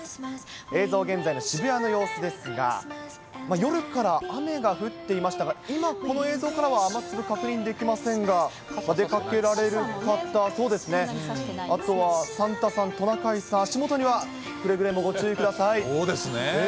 映像、現在の渋谷の様子ですが、夜から雨が降っていましたが、今、この映像からは雨粒、確認できませんが、出かけられる方、あとはサンタさん、トナカイさん、足元にはくれそうですね。